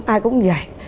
ai cũng vậy